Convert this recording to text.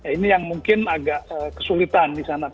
ini yang mungkin agak kesulitan di sana